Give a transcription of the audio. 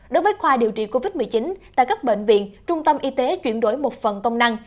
đối với khoa điều trị covid một mươi chín tại các bệnh viện trung tâm y tế chuyển đổi một phần công năng